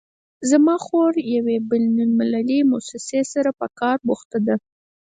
زما خور د یوې بین المللي مؤسسې سره په کار بوخته ده